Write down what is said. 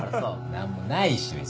何もないし別に。